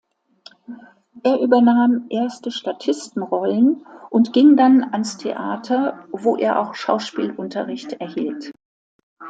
Er übernahm erste Statistenrollen und ging dann ans Theater, wo er auch Schauspielunterricht erhielt.